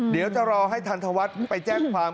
เดี๋ยวจะรอให้ทันทวัฒน์ไปแจ้งความ